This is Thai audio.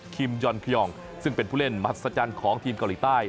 ยอนคยองซึ่งเป็นผู้เล่นมหัศจรรย์ของทีมเกาหลีใต้